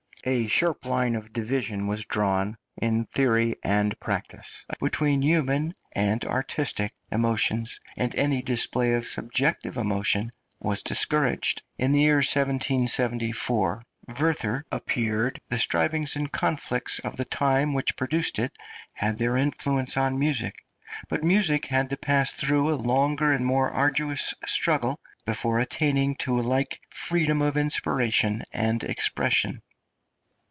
A sharp line of division was drawn in theory and practice between human and artistic emotions, and any display of subjective emotion was discouraged. In the year 1774 "Werther" appeared; the strivings and conflicts of the time which produced it had their influence on music; but music had to pass through a longer and more arduous struggle before attaining to a like freedom of inspiration and expression.